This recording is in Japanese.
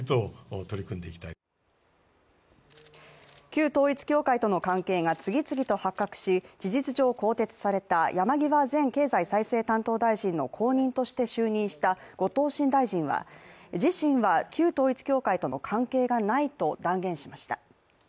旧統一教会との関係が次々と発覚し事実上更迭された山際前経済再生担当大臣の後任として就任した後藤新大臣は、自身は旧統一教会との関係がないと断言しました。